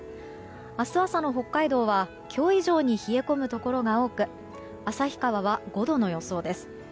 明日朝の北海道は今日以上に冷え込むところが多く旭川は５度の予想です。